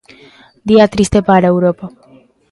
Día triste para Europa.